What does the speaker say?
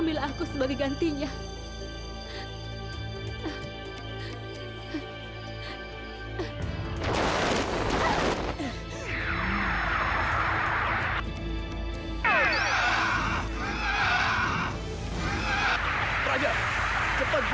mas aku selalu mencintaimu